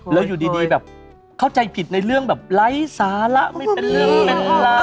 แล้วอยู่ดีแบบเข้าใจผิดในเรื่องแบบไร้สาระไม่เป็นเรื่องเป็นราว